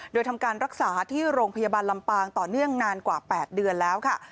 โดยทำการรักษาที่โรงพยาบาลลำปางต่อเนื่องนานกว่า๘เดือนแล้วค่ะ